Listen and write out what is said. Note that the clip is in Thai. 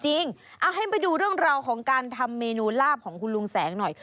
เอาให้ไปดูเรื่องราวของการทำเมนูลาบของคุณลุงแสงหน่อย